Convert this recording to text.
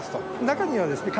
中にはですね